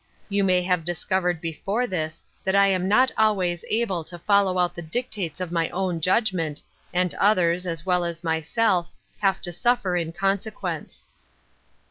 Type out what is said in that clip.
You may have discovered before this that I am not always able to follow out the dictates of my own judg ment, and others, as well as myself, have to suf fer in consequence."